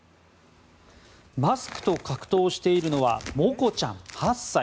マスクと格闘しているのはモコちゃん、８歳。